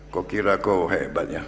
kok kira kok hebat ya